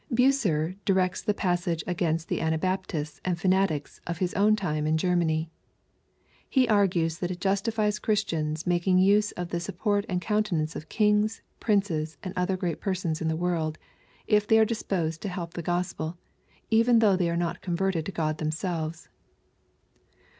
Bucer directs the passage against the Anabaptists and fanatics of his own time in Grermany. He argues that it justifies Christians making use of the support and countenance of kings, princes, and other great persons in the world, if they are disposed to help the Gospel, even though they are not converted to Gk)d them* selves.